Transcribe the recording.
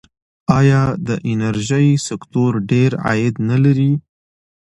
آیا د انرژۍ سکتور ډیر عاید نلري؟